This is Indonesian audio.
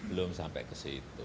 belum sampai ke situ